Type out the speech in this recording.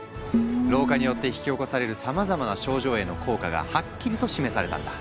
老化によって引き起こされるさまざまな症状への効果がはっきりと示されたんだ。